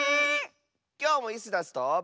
きょうもイスダスと。